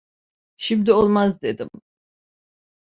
Şimdi olmaz dedim.